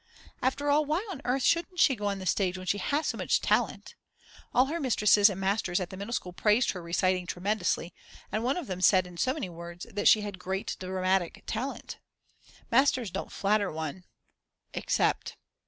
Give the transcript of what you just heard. After all, why on earth shouldn't she go on the stage when she has so much talent? All her mistresses and masters at the middle school praised her reciting tremendously and one of them said in so many words that she had great dramatic talent. Masters don't flatter one; except